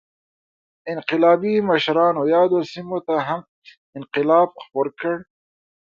انقلابي مشرانو یادو سیمو ته هم انقلاب خپور کړ.